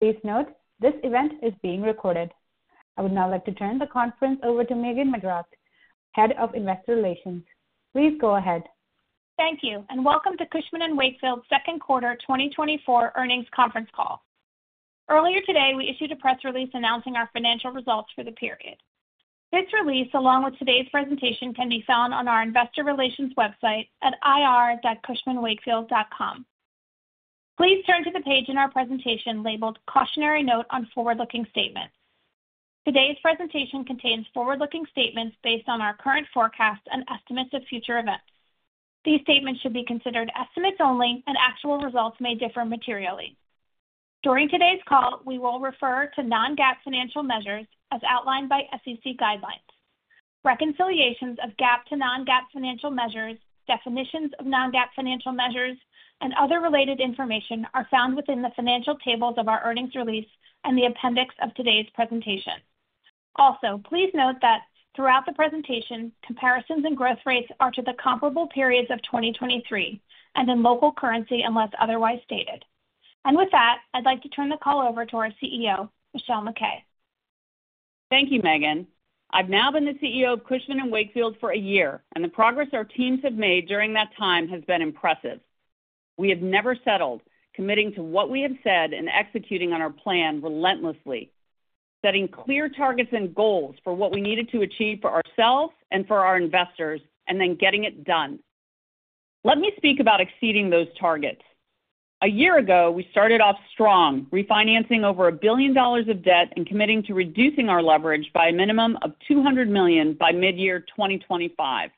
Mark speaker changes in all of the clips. Speaker 1: Please note, this event is being recorded. I would now like to turn the conference over to Megan McGrath, Head of Investor Relations. Please go ahead.
Speaker 2: Thank you, and welcome to Cushman & Wakefield's Second Quarter 2024 Earnings Conference Call. Earlier today, we issued a press release announcing our financial results for the period. This release, along with today's presentation, can be found on our investor relations website at ir.cushmanwakefield.com. Please turn to the page in our presentation labeled Cautionary Note on Forward-Looking Statements. Today's presentation contains forward-looking statements based on our current forecasts and estimates of future events. These statements should be considered estimates only, and actual results may differ materially. During today's call, we will refer to non-GAAP financial measures as outlined by SEC guidelines. Reconciliations of GAAP to non-GAAP financial measures, definitions of non-GAAP financial measures, and other related information are found within the financial tables of our earnings release and the appendix of today's presentation. Also, please note that throughout the presentation, comparisons and growth rates are to the comparable periods of 2023 and in local currency, unless otherwise stated. With that, I'd like to turn the call over to our CEO, Michelle MacKay.
Speaker 3: Thank you, Megan. I've now been the CEO of Cushman & Wakefield for a year, and the progress our teams have made during that time has been impressive. We have never settled, committing to what we have said and executing on our plan relentlessly, setting clear targets and goals for what we needed to achieve for ourselves and for our investors, and then getting it done. Let me speak about exceeding those targets. A year ago, we started off strong, refinancing over $1 billion of debt and committing to reducing our leverage by a minimum of $200 million by midyear 2025.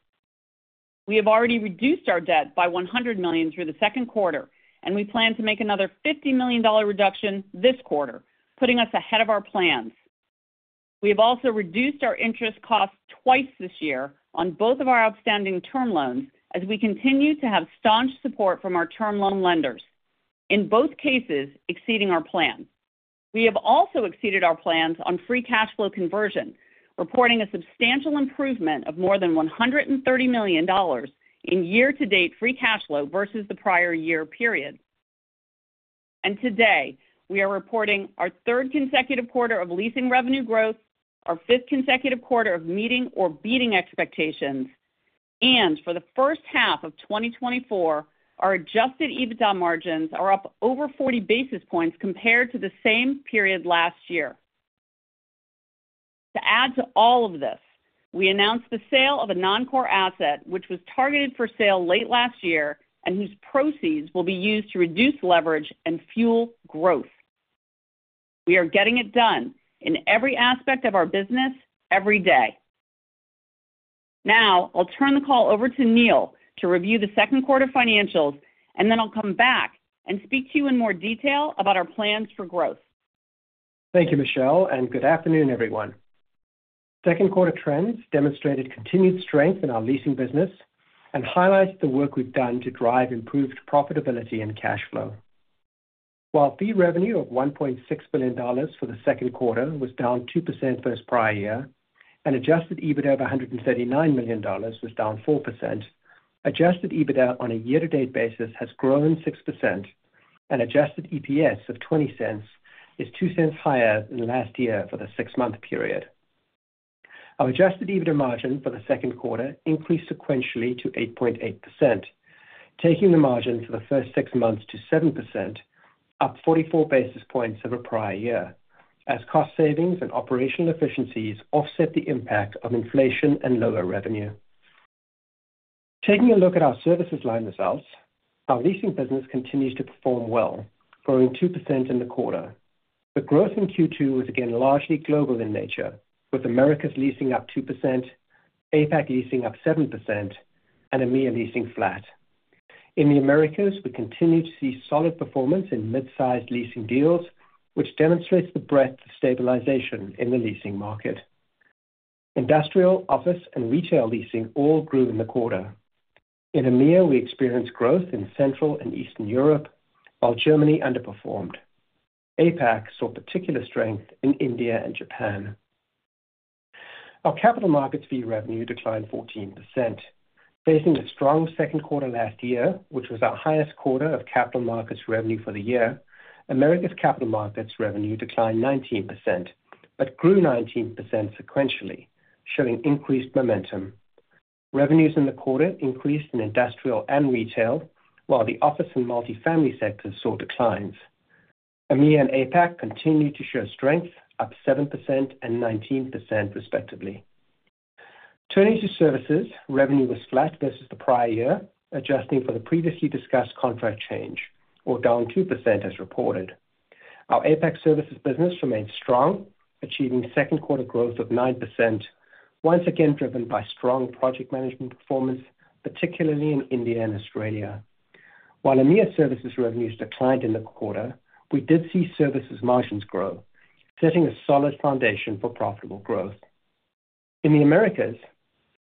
Speaker 3: We have already reduced our debt by $100 million through the second quarter, and we plan to make another $50 million reduction this quarter, putting us ahead of our plans. We have also reduced our interest costs twice this year on both of our outstanding term loans as we continue to have staunch support from our term loan lenders, in both cases exceeding our plan. We have also exceeded our plans on free cash flow conversion, reporting a substantial improvement of more than $130 million in year-to-date free cash flow versus the prior year period. Today, we are reporting our third consecutive quarter of leasing revenue growth, our fifth consecutive quarter of meeting or beating expectations, and for the first half of 2024, our adjusted EBITDA margins are up over 40 basis points compared to the same period last year. To add to all of this, we announced the sale of a non-core asset, which was targeted for sale late last year and whose proceeds will be used to reduce leverage and fuel growth. We are getting it done in every aspect of our business, every day. Now, I'll turn the call over to Neil to review the second quarter financials, and then I'll come back and speak to you in more detail about our plans for growth.
Speaker 4: Thank you, Michelle, and good afternoon, everyone. Second quarter trends demonstrated continued strength in our leasing business and highlights the work we've done to drive improved profitability and cash flow. While fee revenue of $1.6 billion for the second quarter was down 2% versus prior year and adjusted EBITDA of $139 million was down 4%, adjusted EBITDA on a year-to-date basis has grown 6% and adjusted EPS of $0.20 is $0.02 higher than last year for the six-month period. Our adjusted EBITDA margin for the second quarter increased sequentially to 8.8%, taking the margin for the first six months to 7%, up 44 basis points over prior year, as cost savings and operational efficiencies offset the impact of inflation and lower revenue. Taking a look at our services line results, our leasing business continues to perform well, growing 2% in the quarter. The growth in Q2 was again largely global in nature, with Americas leasing up 2%, APAC leasing up 7%, and EMEA leasing flat. In the Americas, we continue to see solid performance in mid-sized leasing deals, which demonstrates the breadth of stabilization in the leasing market. Industrial, office and retail leasing all grew in the quarter. In EMEA, we experienced growth in Central and Eastern Europe, while Germany underperformed. APAC saw particular strength in India and Japan. Our capital markets fee revenue declined 14%. Facing a strong second quarter last year, which was our highest quarter of capital markets revenue for the year, Americas capital markets revenue declined 19%, but grew 19% sequentially, showing increased momentum. Revenues in the quarter increased in industrial and retail, while the office and multifamily sectors saw declines. EMEA and APAC continued to show strength, up 7% and 19%, respectively. Turning to services, revenue was flat versus the prior year, adjusting for the previously discussed contract change or down 2% as reported. Our APAC services business remained strong, achieving second quarter growth of 9%, once again driven by strong project management performance, particularly in India and Australia. While EMEA services revenues declined in the quarter, we did see services margins grow, setting a solid foundation for profitable growth. In the Americas,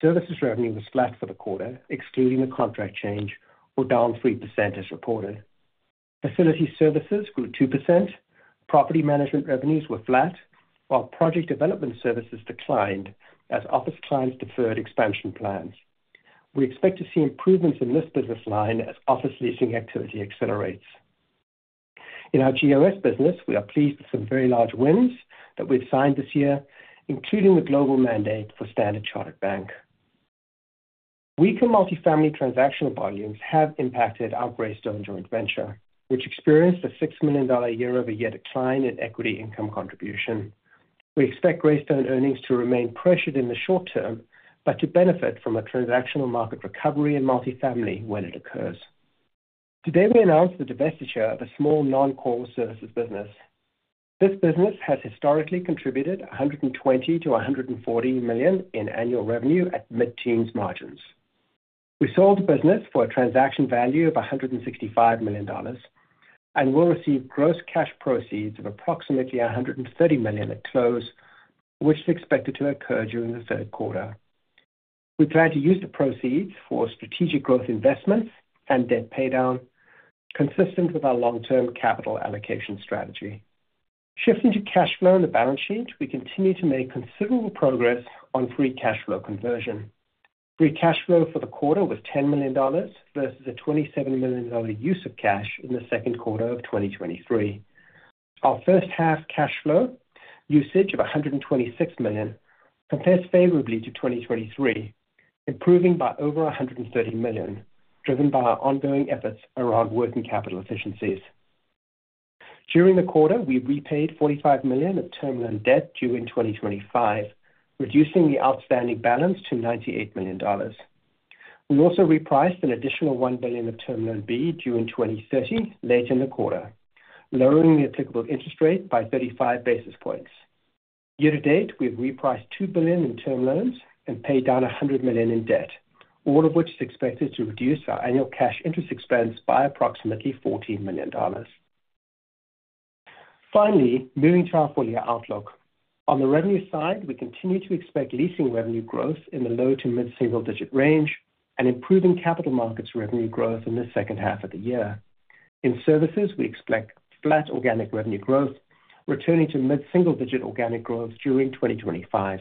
Speaker 4: services revenue was flat for the quarter, excluding the contract change or down 3% as reported. Facility services grew 2%, property management revenues were flat, while project development services declined as office clients deferred expansion plans. We expect to see improvements in this business line as office leasing activity accelerates. In our GOS business, we are pleased with some very large wins that we've signed this year, including the global mandate for Standard Chartered Bank. Weaker multifamily transactional volumes have impacted our Greystone joint venture, which experienced a $6 million year-over-year decline in equity income contribution. We expect Greystone earnings to remain pressured in the short term, but to benefit from a transactional market recovery in multifamily when it occurs. Today, we announced the divestiture of a small non-core services business. This business has historically contributed $100 million-$140 million in annual revenue at mid-teens margins. We sold the business for a transaction value of $165 million, and we'll receive gross cash proceeds of approximately $130 million at close, which is expected to occur during the third quarter. We plan to use the proceeds for strategic growth investments and debt paydown, consistent with our long-term capital allocation strategy. Shifting to cash flow and the balance sheet, we continue to make considerable progress on free cash flow conversion. Free cash flow for the quarter was $10 million versus a $27 million use of cash in the second quarter of 2023. Our first half cash flow usage of $126 million compares favorably to 2023, improving by over $130 million, driven by our ongoing efforts around working capital efficiencies. During the quarter, we repaid $45 million of term loan debt due in 2025, reducing the outstanding balance to $98 million. We also repriced an additional $1 billion of Term Loan B, due in 2030, late in the quarter, lowering the applicable interest rate by 35 basis points. Year to date, we've repriced $2 billion in term loans and paid down $100 million in debt, all of which is expected to reduce our annual cash interest expense by approximately $14 million. Finally, moving to our full year outlook. On the revenue side, we continue to expect leasing revenue growth in the low to mid-single digit range and improving capital markets revenue growth in the second half of the year. In services, we expect flat organic revenue growth, returning to mid-single digit organic growth during 2025.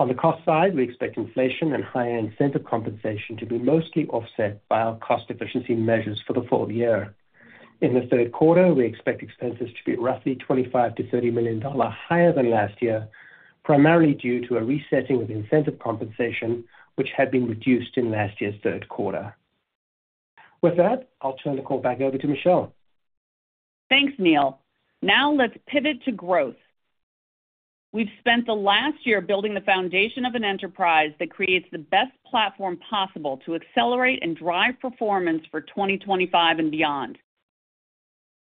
Speaker 4: On the cost side, we expect inflation and higher incentive compensation to be mostly offset by our cost efficiency measures for the full year. In the third quarter, we expect expenses to be roughly $25 million-$30 million higher than last year, primarily due to a resetting of incentive compensation, which had been reduced in last year's third quarter. With that, I'll turn the call back over to Michelle.
Speaker 3: Thanks, Neil. Now let's pivot to growth. We've spent the last year building the foundation of an enterprise that creates the best platform possible to accelerate and drive performance for 2025 and beyond.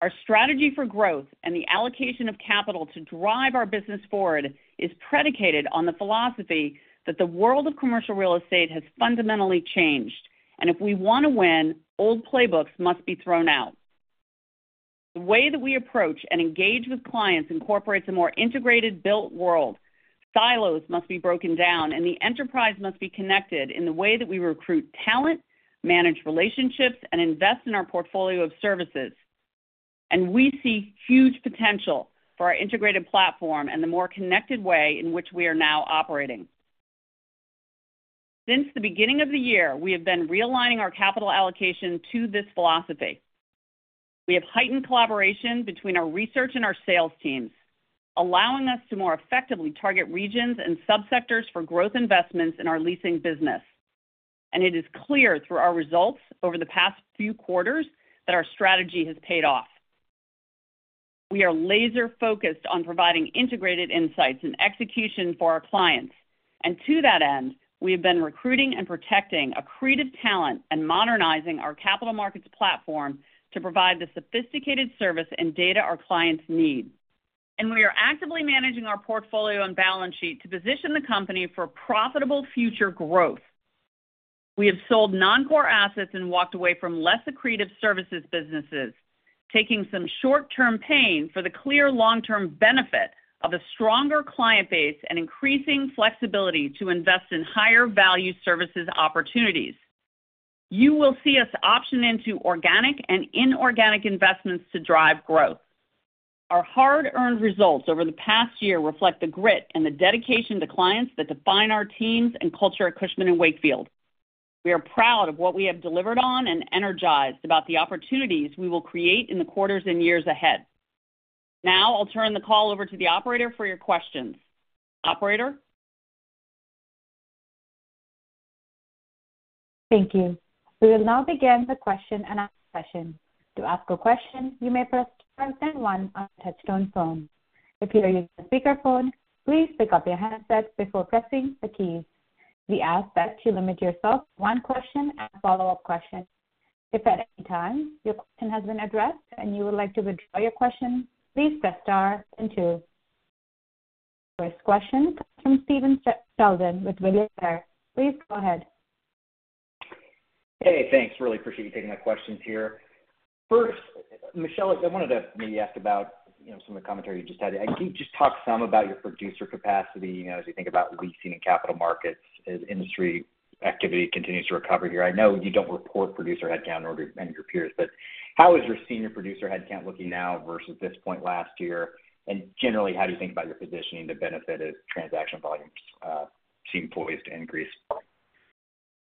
Speaker 3: Our strategy for growth and the allocation of capital to drive our business forward is predicated on the philosophy that the world of commercial real estate has fundamentally changed, and if we want to win, old playbooks must be thrown out. The way that we approach and engage with clients incorporates a more integrated built world. Silos must be broken down, and the enterprise must be connected in the way that we recruit talent, manage relationships, and invest in our portfolio of services. We see huge potential for our integrated platform and the more connected way in which we are now operating. Since the beginning of the year, we have been realigning our capital allocation to this philosophy. We have heightened collaboration between our research and our sales teams, allowing us to more effectively target regions and subsectors for growth investments in our leasing business. It is clear through our results over the past few quarters that our strategy has paid off. We are laser focused on providing integrated insights and execution for our clients. To that end, we have been recruiting and protecting accretive talent and modernizing our capital markets platform to provide the sophisticated service and data our clients need. We are actively managing our portfolio and balance sheet to position the company for profitable future growth. We have sold non-core assets and walked away from less accretive services businesses, taking some short-term pain for the clear long-term benefit of a stronger client base and increasing flexibility to invest in higher value services opportunities. You will see us opt into organic and inorganic investments to drive growth. Our hard-earned results over the past year reflect the grit and the dedication to clients that define our teams and culture at Cushman & Wakefield. We are proud of what we have delivered on and energized about the opportunities we will create in the quarters and years ahead. Now I'll turn the call over to the operator for your questions. Operator?
Speaker 1: Thank you. We will now begin the question and answer session. To ask a question, you may press star then one on your touchtone phone. If you are using a speakerphone, please pick up your handset before pressing the keys. We ask that you limit yourself to one question and a follow-up question. If at any time your question has been addressed and you would like to withdraw your question, please press star then two. First question comes from Stephen Sheldon with William Blair. Please go ahead.
Speaker 5: Hey, thanks. Really appreciate you taking my questions here. First, Michelle, I wanted to maybe ask about, you know, some of the commentary you just had. I think you just talked some about your producer capacity, you know, as you think about leasing and capital markets as industry activity continues to recover here. I know you don't report producer headcount or your, and your peers, but how is your senior producer headcount looking now versus this point last year? And generally, how do you think about your positioning to benefit as transaction volumes seem poised to increase?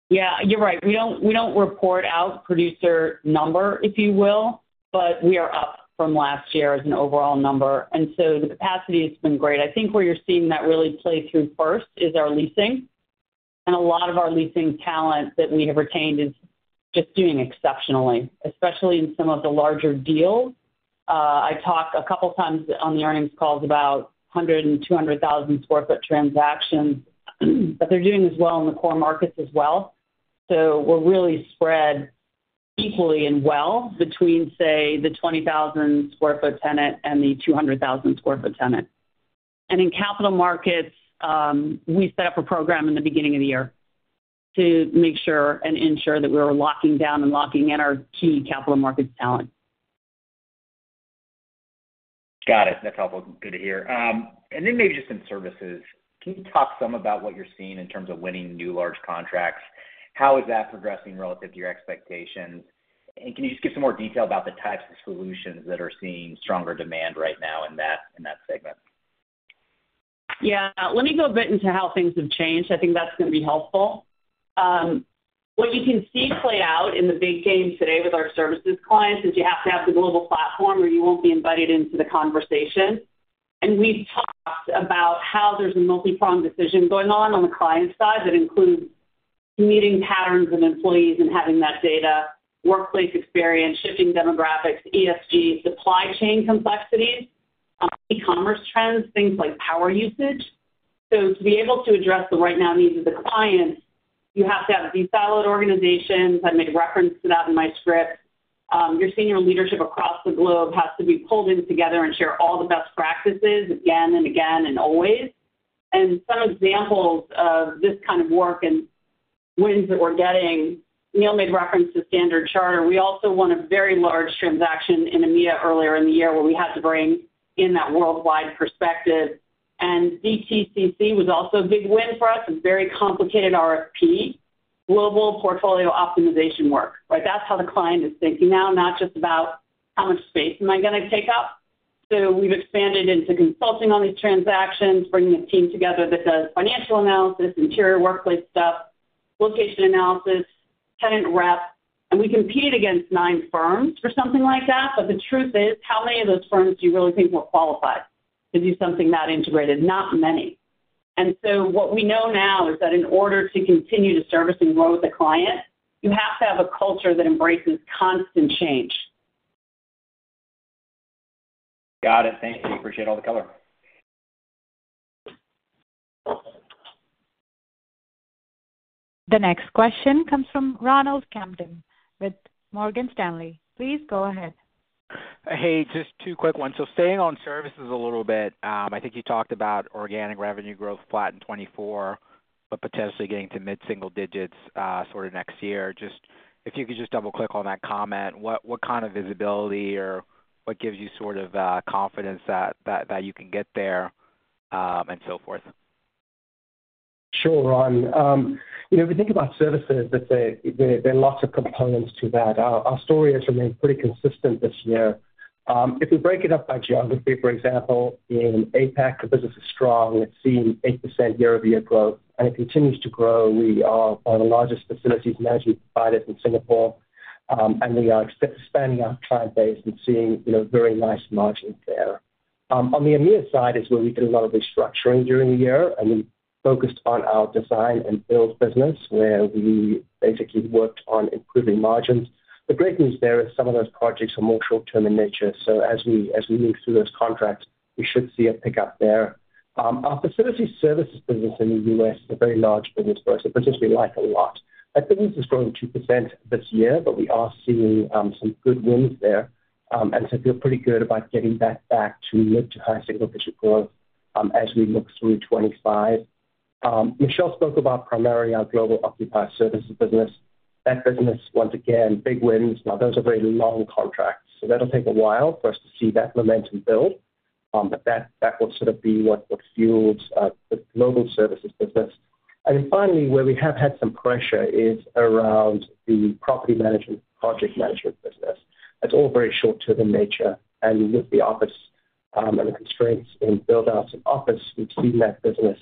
Speaker 3: Yeah, you're right. We don't, we don't report out producer number, if you will, but we are up from last year as an overall number, and so the capacity has been great. I think where you're seeing that really play through first is our leasing, and a lot of our leasing talent that we have retained is just doing exceptionally, especially in some of the larger deals. I talked a couple of times on the earnings calls about 100- and 200,000 sq ft transactions, but they're doing as well in the core markets as well. So we're really spread equally and well between, say, the 20,000 sq ft tenant and the 200,000 sq ft tenant. In capital markets, we set up a program in the beginning of the year to make sure and ensure that we were locking down and locking in our key capital markets talent.
Speaker 5: Got it. That's helpful. Good to hear. And then maybe just in services, can you talk some about what you're seeing in terms of winning new large contracts? How is that progressing relative to your expectations? And can you just give some more detail about the types of solutions that are seeing stronger demand right now in that, in that segment?
Speaker 3: Yeah. Let me go a bit into how things have changed. I think that's going to be helpful. What you can see play out in the big game today with our services clients, is you have to have the global platform, or you won't be invited into the conversation. And we've talked about how there's a multipronged decision going on on the client side that includes meeting patterns of employees and having that data, workplace experience, shifting demographics, ESG, supply chain complexities, e-commerce trends, things like power usage. So to be able to address the right now needs of the clients, you have to have desiloed organizations. I made reference to that in my script. Your senior leadership across the globe has to be pulled in together and share all the best practices again and again and always. Some examples of this kind of work and wins that we're getting, Neil made reference to Standard Chartered. We also won a very large transaction in EMEA earlier in the year, where we had to bring in that worldwide perspective, and DTCC was also a big win for us, a very complicated RFP, global portfolio optimization work, right? That's how the client is thinking now, not just about how much space am I gonna take up. So we've expanded into consulting on these transactions, bringing a team together that does financial analysis, interior workplace stuff, location analysis, tenant rep, and we competed against nine firms for something like that. But the truth is, how many of those firms do you really think were qualified to do something that integrated? Not many. What we know now is that in order to continue to service and grow with a client, you have to have a culture that embraces constant change.
Speaker 5: Got it. Thank you. Appreciate all the color.
Speaker 1: The next question comes from Ronald Kamdem with Morgan Stanley. Please go ahead.
Speaker 6: Hey, just two quick ones. So staying on services a little bit. I think you talked about organic revenue growth flat in 2024, but potentially getting to mid-single digits, sort of next year. Just, if you could just double click on that comment, what, what kind of visibility or what gives you sort of, confidence that, that, that you can get there, and so forth?
Speaker 4: Sure, Ron. You know, if you think about services, there are lots of components to that. Our story has remained pretty consistent this year. If we break it up by geography, for example, in APAC, the business is strong. It's seeing 8% year-over-year growth, and it continues to grow. We are one of the largest facilities management providers in Singapore, and we are expanding our client base and seeing, you know, very nice margins there. On the EMEA side is where we did a lot of restructuring during the year, and we focused on our design and build business, where we basically worked on improving margins. The great news there is some of those projects are more short term in nature, so as we move through those contracts, we should see a pickup there. Our facility services business in the U.S. is a very large business for us, a particularly like a lot. That business is growing 2% this year, but we are seeing some good wins there. And so feel pretty good about getting that back to mid- to high-single-digit growth as we look through 2025. Michelle spoke about primarily our Global Occupier Services business. That business, once again, big wins. Now, those are very long contracts, so that'll take a while for us to see that momentum build. But that, that will sort of be what, what fuels the global services business. And then finally, where we have had some pressure is around the property management, project management business. That's all very short term in nature, and with the office and the constraints in build outs and office, we've seen that business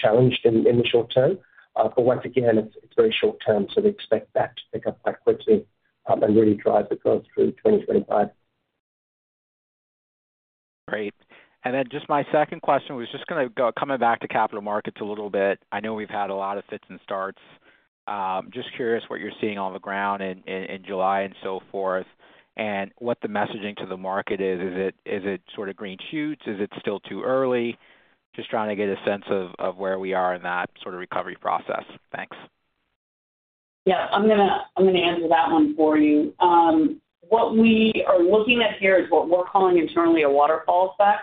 Speaker 4: challenged in the short term. But once again, it's very short term, so we expect that to pick up quite quickly and really drive the growth through 2025.
Speaker 6: Great. And then just my second question was just kind of coming back to capital markets a little bit. I know we've had a lot of fits and starts. Just curious what you're seeing on the ground in July and so forth, and what the messaging to the market is. Is it sort of green shoots? Is it still too early? Just trying to get a sense of where we are in that sort of recovery process. Thanks.
Speaker 3: Yeah. I'm gonna answer that one for you. What we are looking at here is what we're calling internally a waterfall effect.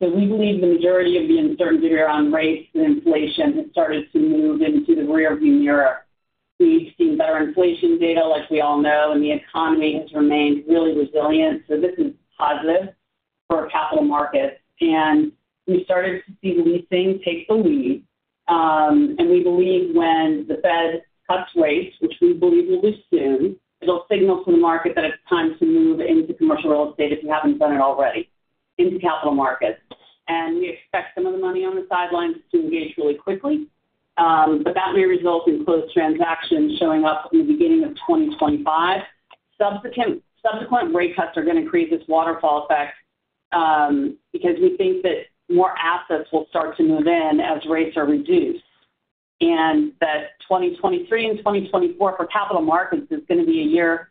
Speaker 3: So we believe the majority of the uncertainty around rates and inflation has started to move into the rearview mirror. We've seen better inflation data, like we all know, and the economy has remained really resilient, so this is positive for capital markets. And we started to see leasing take the lead, and we believe when the Fed cuts rates, which we believe will be soon, it'll signal to the market that it's time to move into commercial real estate, if you haven't done it already. Into capital markets, and we expect some of the money on the sidelines to engage really quickly. But that may result in closed transactions showing up in the beginning of 2025. Subsequent rate cuts are going to create this waterfall effect, because we think that more assets will start to move in as rates are reduced, and that 2023 and 2024 for capital markets is going to be a year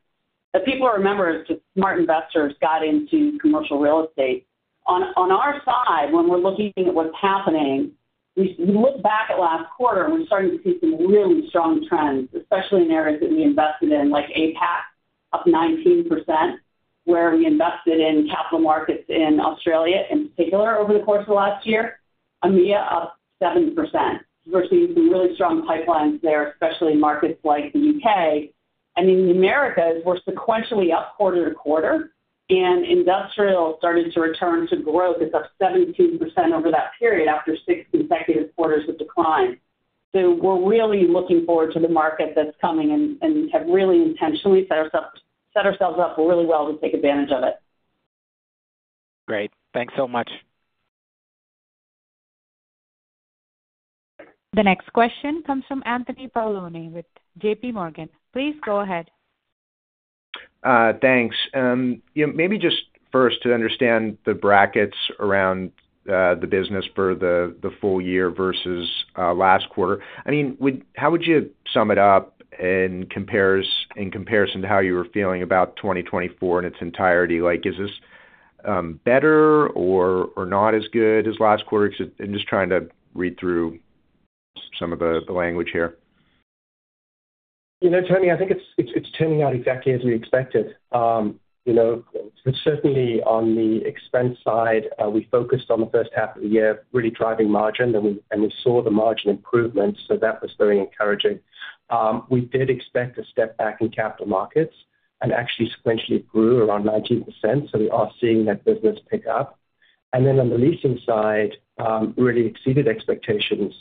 Speaker 3: that people remember as just smart investors got into commercial real estate. On our side, when we're looking at what's happening, we look back at last quarter, and we're starting to see some really strong trends, especially in areas that we invested in, like APAC, up 19%, where we invested in capital markets in Australia, in particular, over the course of last year. EMEA up 7%. We're seeing some really strong pipelines there, especially in markets like the U.K. In the Americas, we're sequentially up quarter to quarter, and industrial started to return to growth. It's up 17% over that period after six consecutive quarters of decline. We're really looking forward to the market that's coming and have really intentionally set ourselves up really well to take advantage of it.
Speaker 6: Great. Thanks so much.
Speaker 1: The next question comes from Anthony Paolone with JPMorgan. Please go ahead.
Speaker 7: Thanks. You know, maybe just first to understand the brackets around the business for the full year versus last quarter. I mean, would, how would you sum it up in compares, in comparison to how you were feeling about 2024 in its entirety? Like, is this better or not as good as last quarter? I'm just trying to read through some of the language here.
Speaker 4: You know, Tony, I think it's turning out exactly as we expected. You know, certainly on the expense side, we focused on the first half of the year, really driving margin, and we saw the margin improvements, so that was very encouraging. We did expect a step back in capital markets and actually sequentially grew around 19%, so we are seeing that business pick up. And then on the leasing side, really exceeded expectations.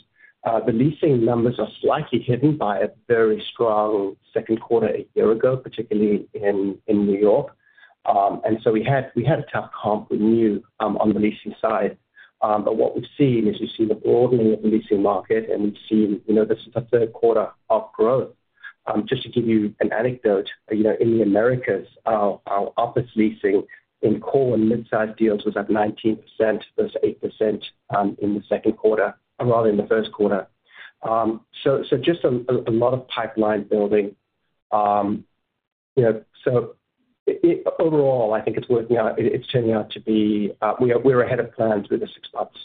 Speaker 4: The leasing numbers are slightly hidden by a very strong second quarter a year ago, particularly in New York. And so we had a tough comp we knew, on the leasing side. But what we've seen is we've seen a broadening of the leasing market, and we've seen, you know, this is the third quarter of growth. Just to give you an anecdote, you know, in the Americas, our office leasing in core and mid-sized deals was at 19% versus 8% in the second quarter, rather in the first quarter. So just a lot of pipeline building. You know, so overall, I think it's working out. It's turning out to be, we're ahead of plans for the six months.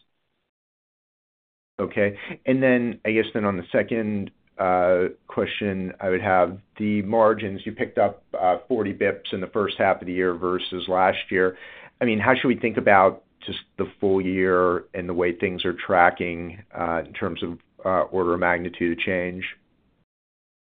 Speaker 7: Okay. And then I guess then on the second question, I would have the margins. You picked up 40 basis points in the first half of the year versus last year. I mean, how should we think about just the full year and the way things are tracking in terms of order of magnitude change?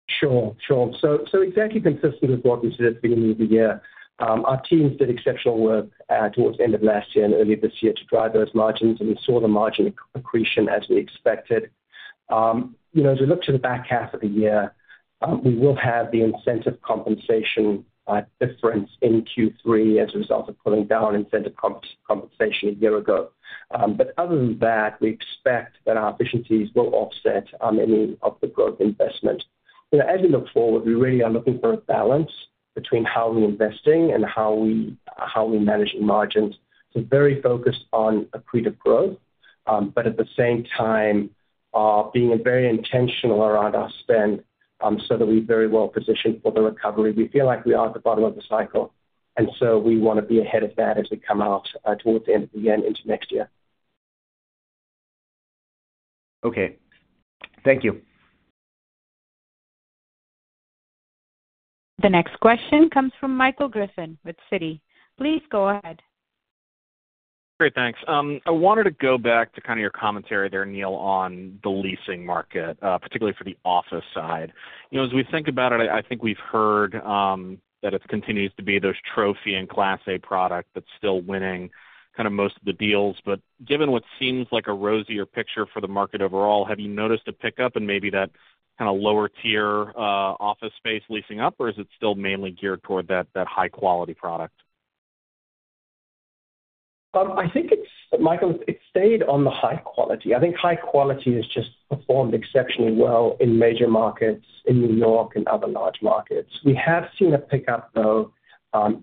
Speaker 4: Sure, sure. So, so exactly consistent with what we said at the beginning of the year, our teams did exceptional work, towards the end of last year and early this year to drive those margins, and we saw the margin accretion as we expected. You know, as we look to the back half of the year, we will have the incentive compensation difference in Q3 as a result of pulling down incentive compensation a year ago. But other than that, we expect that our efficiencies will offset any of the growth investment. You know, as we look forward, we really are looking for a balance between how we're investing and how we, how we're managing margins. So very focused on accretive growth, but at the same time, being very intentional around our spend, so that we're very well positioned for the recovery. We feel like we are at the bottom of the cycle, and so we want to be ahead of that as we come out, towards the end of the year and into next year.
Speaker 7: Okay. Thank you.
Speaker 1: The next question comes from Michael Griffin with Citi. Please go ahead.
Speaker 8: Great, thanks. I wanted to go back to kind of your commentary there, Neil, on the leasing market, particularly for the office side. You know, as we think about it, I, I think we've heard that it continues to be those trophy and Class A product that's still winning kind of most of the deals. But given what seems like a rosier picture for the market overall, have you noticed a pickup in maybe that kind of lower tier, office space leasing up, or is it still mainly geared toward that, that high-quality product?
Speaker 4: I think it's, Michael, it's stayed on the high quality. I think high quality has just performed exceptionally well in major markets, in New York and other large markets. We have seen a pickup, though,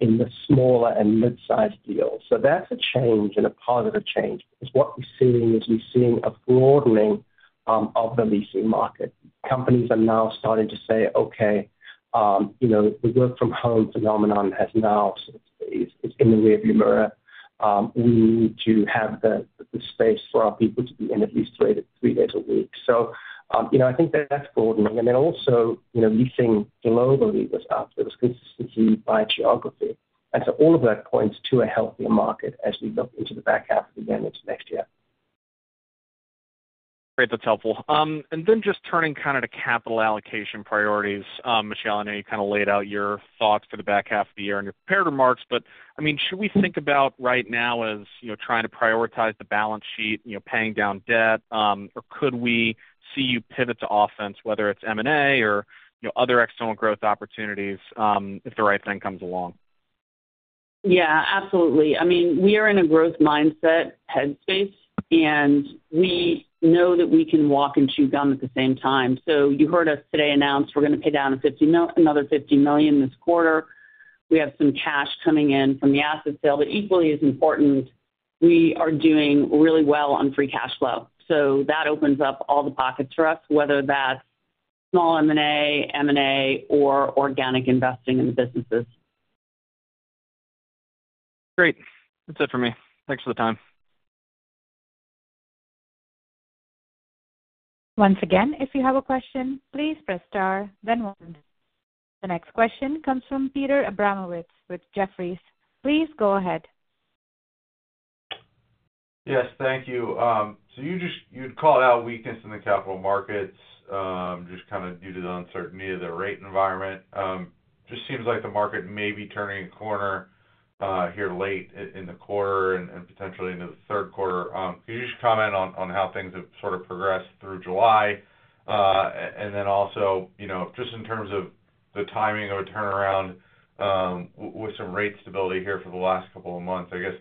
Speaker 4: in the smaller and mid-sized deals. So that's a change and a positive change. Because what we're seeing is we're seeing a broadening of the leasing market. Companies are now starting to say, "okay, you know, the work from home phenomenon has now, it's, it's in the rearview mirror. We need to have the space for our people to be in at least three to three days a week." So, you know, I think that's broadening. And then also, you know, leasing globally was up. It was consistently by geography. And so all of that points to a healthier market as we look into the back half of the year and into next year.
Speaker 8: Great, that's helpful. And then just turning kind of to capital allocation priorities. Michelle, I know you kind of laid out your thoughts for the back half of the year in your prepared remarks, but, I mean, should we think about right now as, you know, trying to prioritize the balance sheet, you know, paying down debt, or could we see you pivot to offense, whether it's M&A or, you know, other external growth opportunities, if the right thing comes along?
Speaker 3: Yeah, absolutely. I mean, we are in a growth mindset headspace, and we know that we can walk and chew gum at the same time. So you heard us today announce we're gonna pay down another $50 million this quarter. We have some cash coming in from the asset sale, but equally as important, we are doing really well on free cash flow. So that opens up all the pockets for us, whether that's small M&A, M&A, or organic investing in the businesses.
Speaker 8: Great. That's it for me. Thanks for the time.
Speaker 1: Once again, if you have a question, please press star then one. The next question comes from Peter Abramowitz with Jefferies. Please go ahead.
Speaker 9: Yes, thank you. So you just, you'd call out weakness in the capital markets, just kind of due to the uncertainty of the rate environment. Just seems like the market may be turning a corner here late in the quarter and potentially into the third quarter. Can you just comment on how things have sort of progressed through July? And then also, you know, just in terms of the timing of a turnaround, with some rate stability here for the last couple of months, I guess,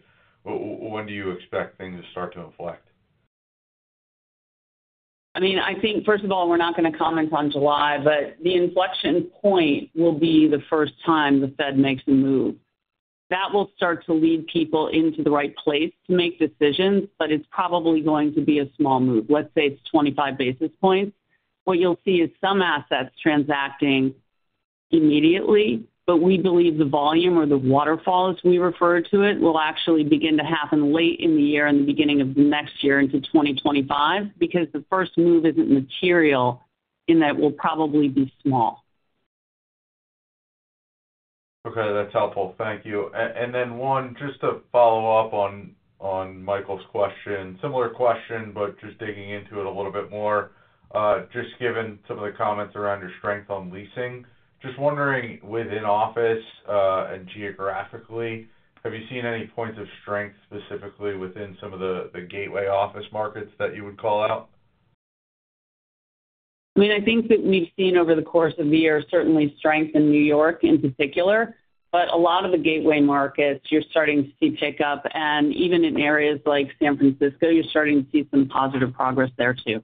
Speaker 9: when do you expect things to start to inflect?
Speaker 3: I mean, I think, first of all, we're not gonna comment on July, but the inflection point will be the first time the Fed makes a move. That will start to lead people into the right place to make decisions, but it's probably going to be a small move. Let's say it's 25 basis points. What you'll see is some assets transacting immediately, but we believe the volume or the waterfall, as we refer to it, will actually begin to happen late in the year and the beginning of next year into 2025, because the first move isn't material and that will probably be small.
Speaker 9: Okay, that's helpful. Thank you. And then, one, just to follow up on, on Michael's question, similar question, but just digging into it a little bit more. Just given some of the comments around your strength on leasing, just wondering, within office, and geographically, have you seen any points of strength, specifically within some of the gateway office markets that you would call out?
Speaker 3: I mean, I think that we've seen over the course of the year, certainly strength in New York in particular, but a lot of the gateway markets, you're starting to see pickup. Even in areas like San Francisco, you're starting to see some positive progress there, too.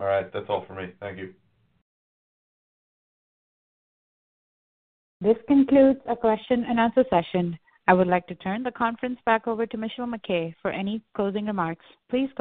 Speaker 9: All right. That's all for me. Thank you.
Speaker 1: This concludes our question and answer session. I would like to turn the conference back over to Michelle MacKay. For any closing remarks, please click...